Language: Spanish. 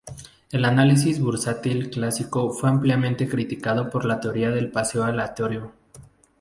El análisis bursátil clásico fue ampliamente criticado por la teoría del paseo aleatorio.